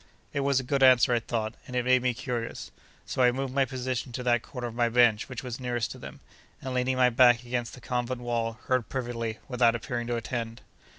It was a good answer, I thought, and it made me curious. So, I moved my position to that corner of my bench which was nearest to them, and leaning my back against the convent wall, heard perfectly, without appearing to attend.